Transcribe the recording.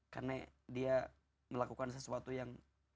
karena dia melakukan sesuatu yang